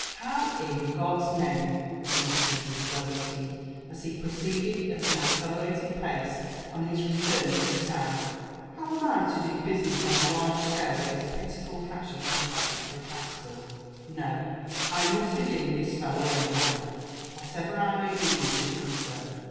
" How, in God's name," he mullered with closed teeth as he proceeded at an accelerated . pace on his return to the town,^*' how am I to do business on a large scale with this pitiful cash in my pocket for a capital ?— No.— I mu&t begin with this fellow anyhow, whatever I may do with him after."